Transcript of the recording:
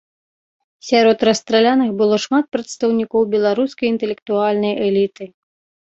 Сярод расстраляных было шмат прадстаўнікоў беларускай інтэлектуальнай эліты.